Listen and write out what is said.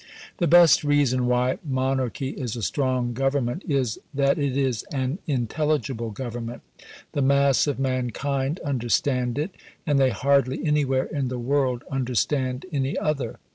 The best reason why Monarchy is a strong government is, that it is an intelligible government. The mass of mankind understand it, and they hardly anywhere in the world understand any other.